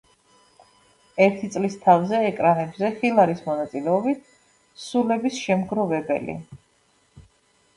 ერთი წლის თავზე ეკრანებზე ჰილარის მონაწილეობით „სულების შემგროვებელი“.